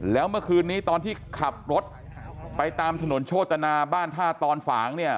แล้วเมื่อคืนนี้ตอนที่ขับรถไปตามถนนโชตนาบ้านท่าตอนฝางเนี่ย